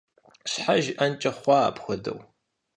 Щхьэ жиӀэнкӀэ хъуа апхуэдэу?